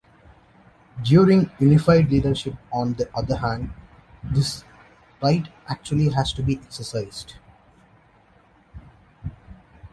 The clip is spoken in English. During unified leadership on the other hand, this right actually has to be exercised.